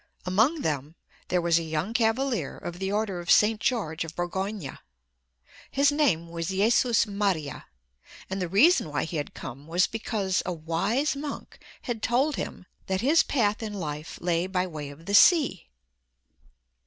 Among them there was a young cavalier of the order of St. George of Borgonha. His name was Jesus Maria and the reason why he had come was because a wise monk had told him that his path in life lay by way of the sea.